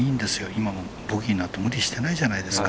今もボギーのあと無理してないじゃないですか。